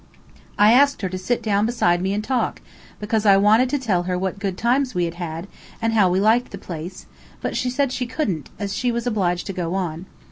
I asked her to sit down beside me and talk, because I wanted to tell her what good times we had had, and how we liked the place, but she said she couldn't, as she was obliged to go on.